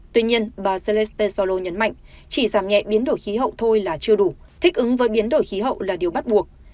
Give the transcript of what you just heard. tuy nhiên bà zelesalo nhấn mạnh chỉ giảm nhẹ biến đổi khí hậu thôi là chưa đủ thích ứng với biến đổi khí hậu là điều bắt buộc